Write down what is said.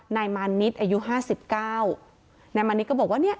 นายมานิดอายุห้าสิบเก้านายมานิดก็บอกว่าเนี่ย